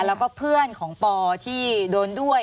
แล้วก็เพื่อนของปอที่โดนด้วย